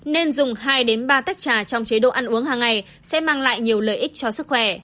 nên dùng hai ba tách trà trong chế độ ăn uống hàng ngày sẽ mang lại nhiều lợi ích cho sức khỏe